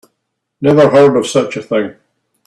Never heard of such a thing.